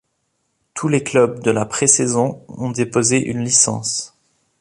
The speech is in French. Tous les clubs de la pré-saison ont déposé une licence.